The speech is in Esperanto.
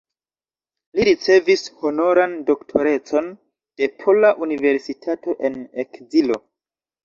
Li ricevis honoran doktorecon de Pola Universitato en Ekzilo.